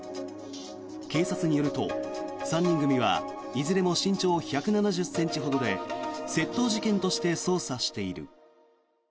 警察によると、３人組はいずれも身長１７０ｃｍほどで窃盗事件として捜査している。